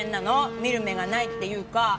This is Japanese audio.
見る目がないっていうか。